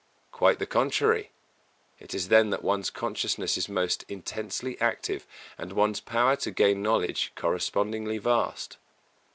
Quite the contrary. It is then that one's consciousness is most intensely active, and one's power to gain knowledge correspondingly vast.